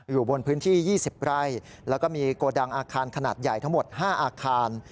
อยู่บนพื้นที่๒๐ไร่แล้วก็มีโกดังอาคารขนาดใหญ่ทั้งหมด๕อาคาร